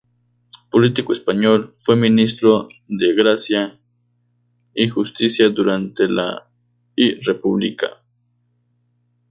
Político español, fue ministro de Gracia y Justicia durante la I República.